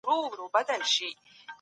د دې علومو تر منځ د ورته والي ټکي سته.